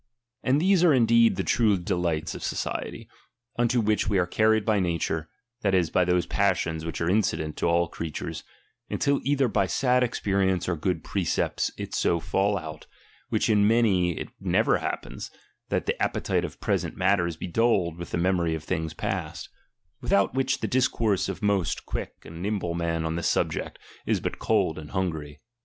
And these are indeed the true delights of society, unto which we are carried by nature, that is, by those passions which are incident to all creatures, until either by sad ex perience or good precepts it so fall out, which in many it never happens, that the appetite of present matters be dulled with the memory of things past: without which the discourse of most quick and nimble men on this subject, is but cold and hungry.